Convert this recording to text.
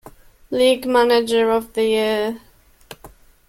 League Manager of the Year.